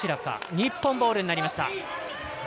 日本ボールになりました。